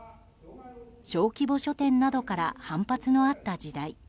小規模書店などから反発のあった時代。